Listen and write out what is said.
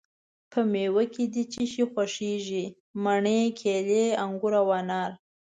په میوه کی د څه خوښیږی؟ مڼې، کیلې، انګور او انار